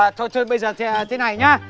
à thôi thôi bây giờ thế này nhá